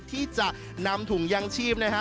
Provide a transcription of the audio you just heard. ที่จะนำถุงยางชีพนะฮะ